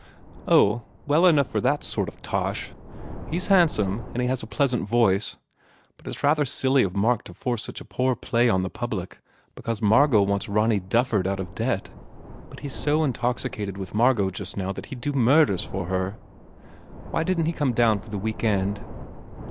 "Oh, well enough for that sort of tosh. He s handsome and he has a pleasant voice. But it s rather silly of Mark to force such a poor play on the public because Margot wants Ronny Dufford out of debt. But he s so intoxicated with Margot just now that he d do murders for her. Why didn t he come down for the week end?"